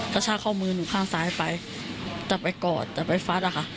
กระชากข้อมือหนูข้างซ้ายไปจะไปกอดจะไปฟัดอะค่ะ